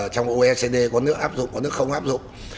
trong oecd có nước áp dụng có nước không áp dụng